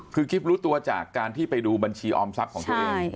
คือกิ๊บรู้ตัวจากการที่ไปดูบัญชีออมทรัพย์ของตัวเอง